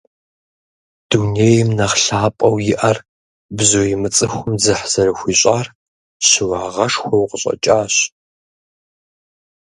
Дунейм нэхъ лъапӀэу иӀэр бзу имыцӀыхум дзыхь зэрыхуищӀар щыуагъэшхуэу къыщӀэкӀащ.